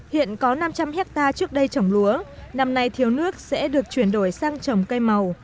hiện có năm trăm linh hectare trước đây trồng lúa năm nay thiếu nước sẽ được chuyển đổi sang trồng cây màu